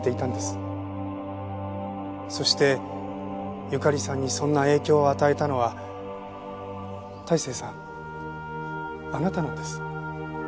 そしてゆかりさんにそんな影響を与えたのは泰生さんあなたなんです。